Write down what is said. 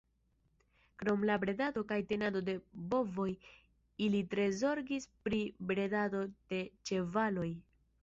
Krom la bredado kaj tenado de bovoj ili tre zorgis pri bredado de ĉevaloj.